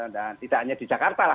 dan tidak hanya di jakarta lah